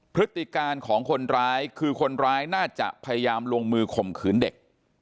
พฤติการของคนร้ายคือคนร้ายน่าจะพยายามลงมือข่มขืนเด็ก